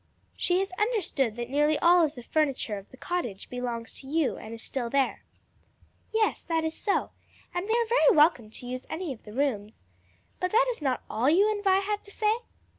She has understood that nearly all the furniture of the cottage belongs to you and is still there." "Yes, that is so; and they are very welcome to the use of any of the rooms. But that is not all you and Vi had to say?"